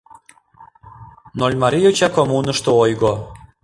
Нольмарий йоча коммунышто ойго.